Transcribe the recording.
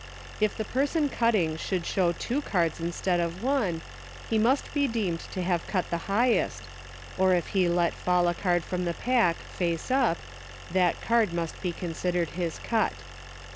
If the person 90 EUCHRE. cutting should show two cards instead of one, he must be deemed to have cut the highest, or if he let fall a card from the pack, face up, that card must be considered his cut.